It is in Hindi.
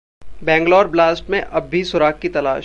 बैंगलोर ब्लास्ट में अब भी सुराग की तलाश